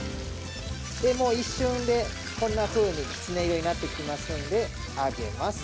もう一瞬でこんな風にキツネ色になってきますのであげます。